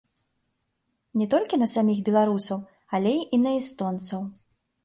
Не толькі на саміх беларусаў, але і на эстонцаў.